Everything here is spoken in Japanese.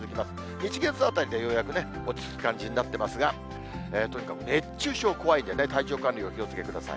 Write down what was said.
日、月あたりでようやく落ち着く感じになってますが、とにかく熱中症、怖いんでね、体調管理、お気をつけください。